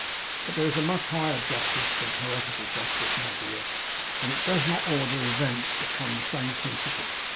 But there is a much higher justice than poetical justice, my dear, and it does not order events upon the same principle.